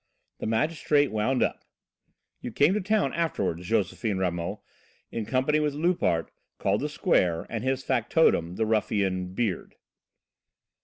The magistrate wound up: "You came to town afterwards, Josephine Ramot, in company with Loupart, called 'The Square,' and his factotum, the ruffian 'Beard.'"